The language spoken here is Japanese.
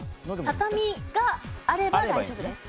畳があれば大丈夫です。